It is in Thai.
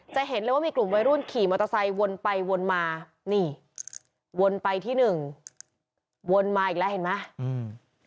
จะเห็นเลยว่ามีกลุ่มวัยรุ่นขี่มอเตอร์ไซค์วนไปวนมานี่วนไปที่หนึ่งวนมาอีกแล้วเห็นไหมอืม